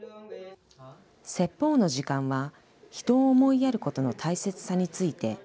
説法の時間は、人を思いやることの大切さについて。